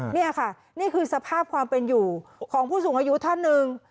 นี่ค่ะนี่คือสภาพความเป็นอยู่ของผู้สูงอายุท่านหนึ่ง